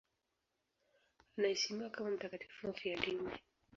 Anaheshimiwa kama mtakatifu mfiadini.